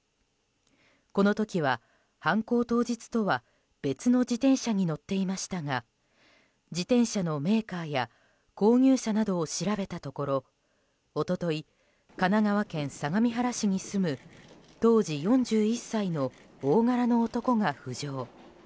この時は、犯行当日とは別の自転車に乗っていましたが自転車のメーカーや購入者などを調べたところ一昨日、神奈川県相模原市に住む当時４１歳の、大柄の男が浮上。